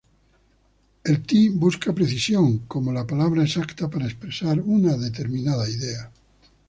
El Ti busca precisión, como la palabra exacta para expresar una determinada idea.